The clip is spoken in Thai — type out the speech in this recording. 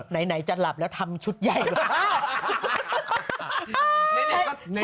ไหนจะหลับแล้วทำชุดใหญ่หรือเปล่า